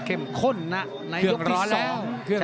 เข้มข้นนะในยุคที่สอง